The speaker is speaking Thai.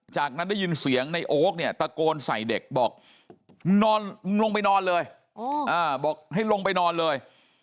จากนั้นได้ยินเสียงในโอ๊คเนี่ยตะโกนใส่เด็กบอกมึงนอนลงไปนอนเลยบอกให้ลงไปนอนเลย